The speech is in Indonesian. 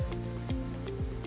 berbeda dengan jamu